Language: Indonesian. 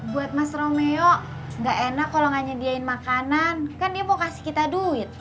buat mas romeo nggak enak kalau nggak nyediain makanan kan dia mau kasih kita duit